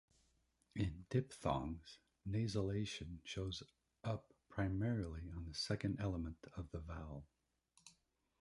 In diphthongs, nasalization shows up primarily on the second element of the vowel.